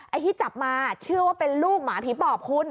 ไอ้ที่จับมาเชื่อว่าเป็นลูกหมาผีปอบคุณ